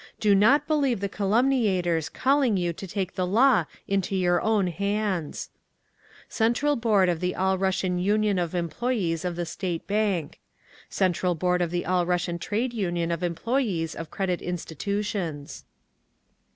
"DO NOT BELIEVE THE CALUMNIATORS CALLING YOU TO TAKE THE LAW INTO YOUR OWN HANDS!" Central Board of the All Russian Union of Employees of the State Bank. _Central Board of the All Russian Trade Union of Employees of Credit Institutions.